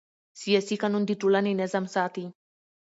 سیاسي قانون د ټولنې نظم ساتي